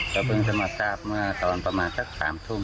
ก็เพิ่งจะมาทราบเมื่อตอนประมาณสัก๓ทุ่ม